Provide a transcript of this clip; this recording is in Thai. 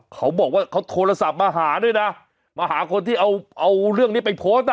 เขาบอกว่าเขาโทรศัพท์มาหาด้วยนะมาหาคนที่เอาเอาเรื่องนี้ไปโพสต์อ่ะ